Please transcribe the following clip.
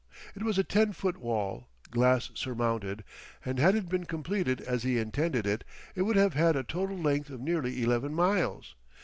It was a ten foot wall, glass surmounted, and had it been completed as he intended it, it would have had a total length of nearly eleven miles.